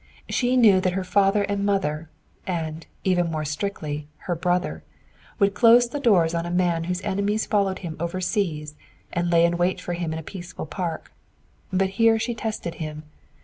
She knew that her father and mother, and, even more strictly, her brother, would close their doors on a man whose enemies followed him over seas and lay in wait for him in a peaceful park; but here she tested him.